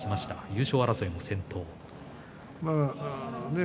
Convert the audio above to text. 優勝争いの先頭。